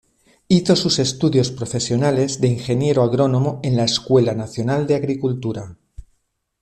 Hizo sus estudios profesionales de ingeniero agrónomo en la Escuela Nacional de Agricultura.